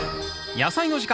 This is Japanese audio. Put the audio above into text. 「やさいの時間」